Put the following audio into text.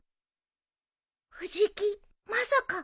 藤木まさか。